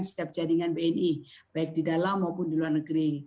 setiap jaringan bni baik di dalam maupun di luar negeri